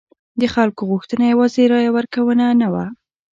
د خلکو غوښتنه یوازې رایه ورکونه نه وه.